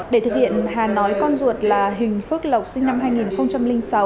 để thực hiện hà nói con ruột là huỳnh phước lộc sinh năm hai nghìn sáu